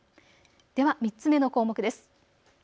では３つ目の項目です。